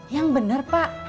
yang bener pak